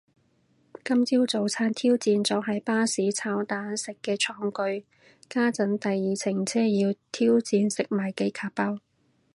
今朝早餐挑戰咗喺巴士炒蛋食嘅創舉，家陣第二程車要挑戰食埋幾楷包